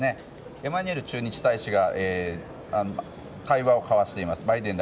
エマニュエル駐日大使が会話を交わしています。